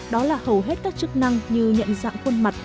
đó là hầu hết các chức năng như nhận dạng khuôn mặt